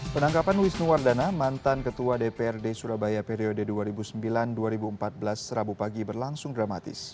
penangkapan wisnu wardana mantan ketua dprd surabaya periode dua ribu sembilan dua ribu empat belas rabu pagi berlangsung dramatis